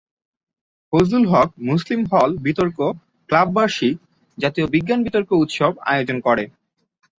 ফজলুল হক মুসলিম হল বিতর্ক ক্লাব বার্ষিক "জাতীয় বিজ্ঞান বিতর্ক উৎসব" আয়োজন করে।